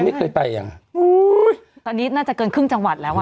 ไม่เคยไปยังอุ้ยตอนนี้น่าจะเกินครึ่งจังหวัดแล้วอ่ะ